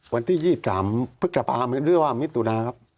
วันที่๒๓พฤษภาพเรียกว่ามิสุนา